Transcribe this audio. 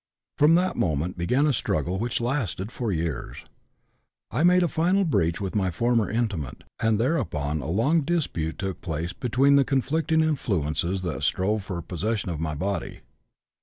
From that moment began a struggle which lasted for years. I made a final breach with my former intimate, and thereupon a long dispute took place between the conflicting influences that strove for possession of my body.